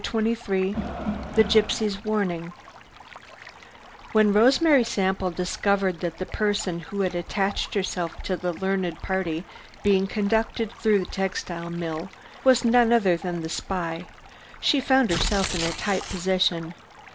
CHAPTER XXIII THE GYPSY'S WARNING When Rosemary Sample discovered that the person who had attached herself to the learned party being conducted through the textile mill was none other than the spy, she found herself in a tight position.